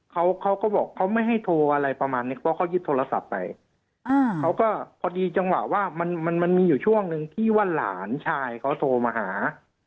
เขาเขาก็บอกเขาไม่ให้โทรอะไรประมาณนี้เพราะเขายึดโทรศัพท์ไปอ่าเขาก็พอดีจังหวะว่ามันมันมันมีอยู่ช่วงหนึ่งที่ว่าหลานชายเขาโทรมาหา